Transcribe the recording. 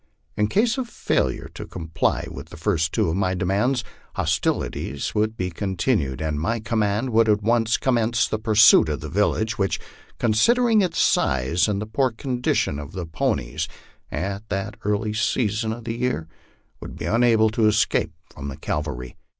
In case of failure to comply with the first two of my demands, hostilities would be continued, and my command would at once commence the pursuit of the village, which, con sidering its size and the poor condition of the ponies at that early season of the year, would be unable to escape from the cavalry.